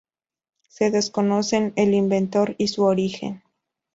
Se desconocen el inventor y su origen.